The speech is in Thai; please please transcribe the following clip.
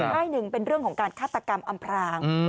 ให้หนึ่งเป็นเรื่องของการฆาตกรรมอำพราง